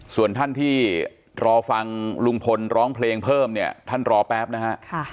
ส่วนท่านที่รอฟังลุงพลร้องเพลงเพิ่มเนี่ยท่านรอแป๊บนะฮะ